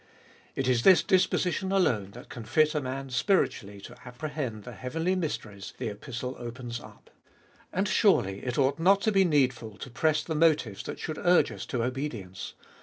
It is this disposition alone that can fit a man spiritually to apprehend the heavenly mysteries the Epistle opens up. And surely it ought not to be needful to press the motives that should urge us to obedience.